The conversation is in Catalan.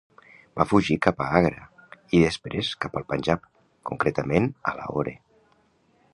Va fugir cap a Agra i després cap al Panjab, concretament a Lahore.